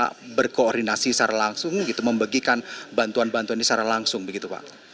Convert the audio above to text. begitu ya tanpa berkoordinasi secara langsung gitu membagikan bantuan bantuan secara langsung begitu pak